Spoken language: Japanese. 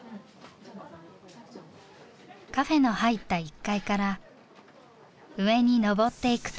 カフェの入った１階から上に上っていくと。